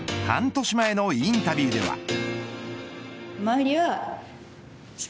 半年前のインタビューでは。